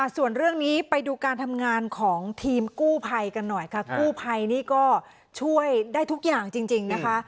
ส่วนเรื่องนี้ไปดูการทำงานของทีมกู้ภัยกันหน่อยค่ะกู้ภัยนี่ก็ช่วยได้ทุกอย่างจริงนะคะ